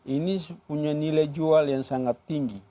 ini punya nilai jual yang sangat tinggi